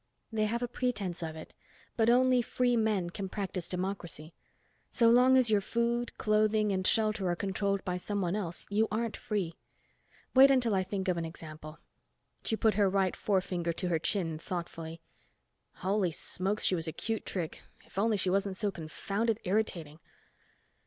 "They have a pretense of it. But only free men can practice democracy. So long as your food, clothing and shelter are controlled by someone else, you aren't free. Wait until I think of an example." She put her right forefinger to her chin, thoughtfully. Holy smokes, she was a cute trick. If only she wasn't so confounded irritating.